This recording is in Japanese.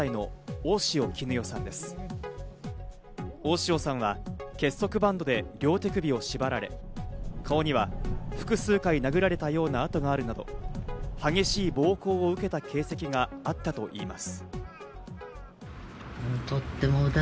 大塩さんは結束バンドで両手首を縛られ、顔には複数回、殴られたような痕があるなど激しい暴行を受けた形跡があったといいます。